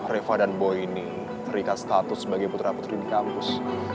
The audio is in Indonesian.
reva dan boy ini terikat status sebagai putra putri di kampus